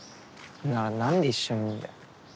ならなんで一緒にいんだよ。